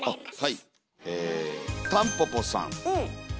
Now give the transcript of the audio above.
はい。